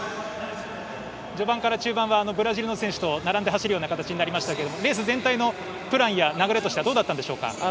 序盤から中盤はブラジルの選手と並んで走る形でしたがレース全体のプランや流れどうだったんでしょうか。